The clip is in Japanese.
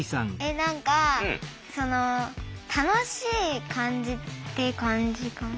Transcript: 何かその楽しい感じって感じかな。